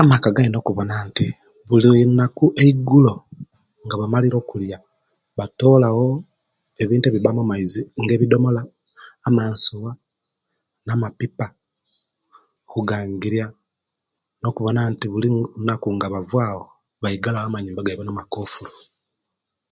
Amaka gayina okubona nti buli lunaku eigulo nga bamalire okulya batolawo ebintu ebivamu amaizi nga ebidomola, amansuwa na mapipa kugangirya okubona nti buli lunaku nga bavawo bagala wo amanyumba gabu namakofulu